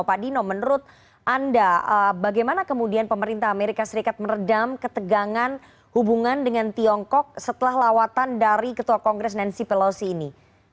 pak dino menurut anda bagaimana kemudian pemerintah amerika serikat meredam ketegangan hubungan dengan tiongkok setelah lawatan dari ketua kongres nancy pelosi ini